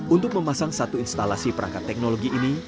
untuk memasang satu instalasi perangkat teknologi ini